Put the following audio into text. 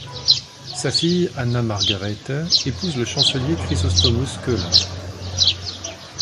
Sa fille Anna Margarethe épouse le chancelier Chrysostomus Cöler.